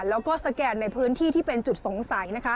แล้วก็สแกนในพื้นที่ที่เป็นจุดสงสัย